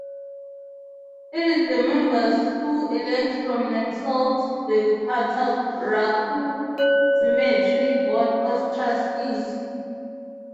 It is the members who elect from themselves The Cataraqui Cemetery Board of Trustees.